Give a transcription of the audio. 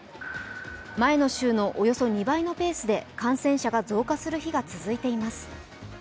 前の週のおよそ２倍のペースで感染者が増加する日が続いています。